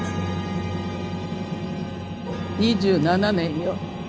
２７年よ。